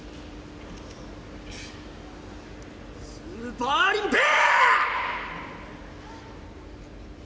スーパーリンペイ！